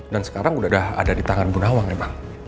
dan sekarang udah ada di tangan bu nawang emang